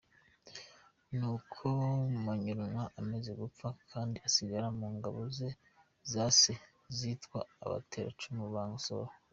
Nuko Manyurane amaze gupfa Kindi asigara mu ngabo za se zitwaga Abateracumu ba Nsoro.